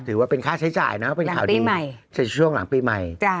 ถือว่าเป็นค่าใช้จ่ายนะว่าเป็นข่าวดีหลังปีใหม่ช่วยช่วงหลังปีใหม่จ้า